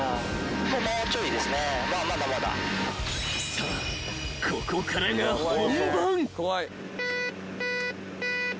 ［さあここからが本番］